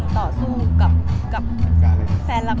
แม็กซ์ก็คือหนักที่สุดในชีวิตเลยจริง